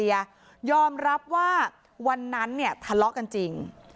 ยอมรับว่าวันนั้นเนี่ยทะเลาะกันจริง